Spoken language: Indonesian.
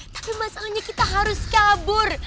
tapi masalahnya kita harus kabur